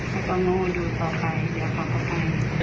ข้าจะโง่ดูต่อไปเดี๋ยวข้าก็ไป